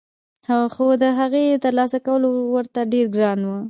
خو دهغې ترلاسه کول ورته ډېر ګران وو